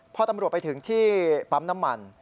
พอตำรวจไปถึงที่ปั๊มน้ำมัน